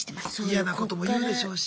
嫌なことも言うでしょうし。